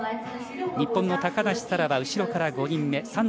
日本の高梨沙羅は後ろから２番目。